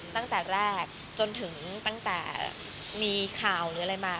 ตั้งแต่แรกจนถึงตั้งแต่มีข่าวหรืออะไรมา